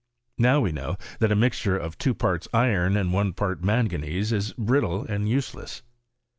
Now we know that a mixture of two parts iron and one part manganese is brittle and useless.